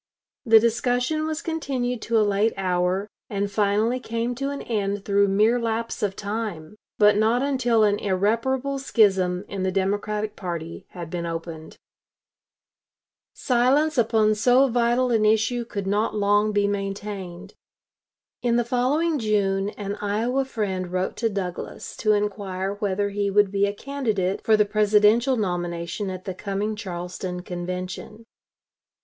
The discussion was continued to a late hour, and finally came to an end through mere lapse of time, but not until an irreparable schism in the Democratic party had been opened. Douglas to Dorr, June 22, 1859. Baltimore "Sun," June 24, 1859. Silence upon so vital an issue could not long be maintained. In the following June, an Iowa friend wrote to Douglas to inquire whether he would be a candidate for the Presidential nomination at the coming Charleston Convention.